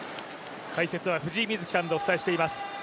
解説は藤井瑞希さんでお伝えしています。